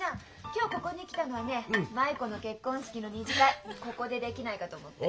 今日ここに来たのはね舞子の結婚式の二次会ここでできないかと思って。